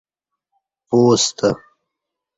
پُوستہ